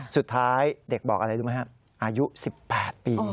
สุดท้ายเด็กบอกอะไรรู้ไหมฮะอายุ๑๘ปี